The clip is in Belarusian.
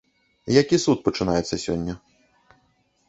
Які суд пачынаецца сёння?